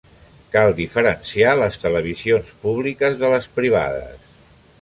Cal diferenciar les televisions públiques de les privades.